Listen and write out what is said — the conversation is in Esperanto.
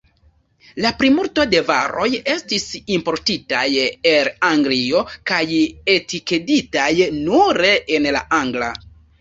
La plimulto da varoj estis importitaj el Anglio kaj etikeditaj nure en la angla.